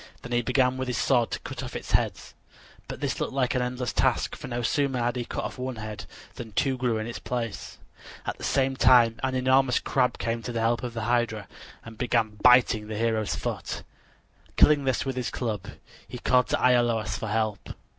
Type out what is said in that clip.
Then he began with his sword to cut off its heads. But this looked like an endless task, for no sooner had he cut off one head than two grew in its place. At the same time an enormous crab came to the help of the hydra and began biting the hero's foot. Killing this with his club, he called to Iolaus for help.